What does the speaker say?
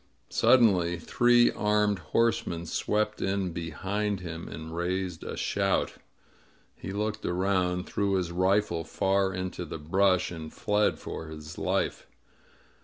Suddenly three armed horsemen swept in behind him, and raised a shout. He looked around, threw his rifle far into the brush, and fled for his life.